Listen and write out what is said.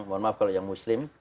mohon maaf kalau yang muslim